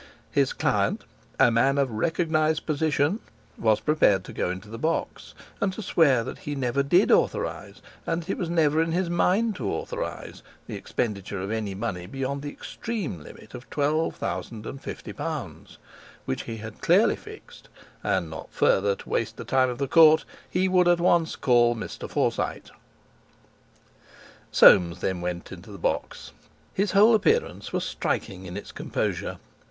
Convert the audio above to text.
His client, "a man of recognised position," was prepared to go into the box, and to swear that he never did authorize, that it was never in his mind to authorize, the expenditure of any money beyond the extreme limit of twelve thousand and fifty pounds, which he had clearly fixed; and not further to waste the time of the court, he would at once call Mr. Forsyte. Soames then went into the box. His whole appearance was striking in its composure.